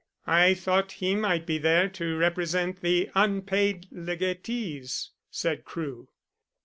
"I thought he might be there to represent the unpaid legatees," said Crewe.